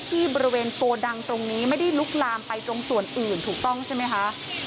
ที่บริเวณโกดังตรงนี้ไม่ได้ลุกลามไปตรงส่วนอื่นถูกต้องใช่ไหมคะ